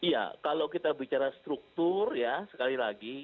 ya kalau kita bicara struktur ya sekali lagi